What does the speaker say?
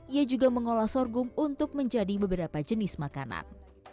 ia juga mengolah sorghum untuk menjadi beberapa jenis makanan